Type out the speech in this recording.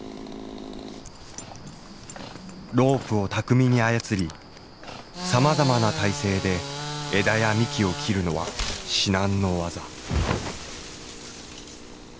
ロープを巧みに操りさまざまな体勢で枝や幹を切るのは至難の業。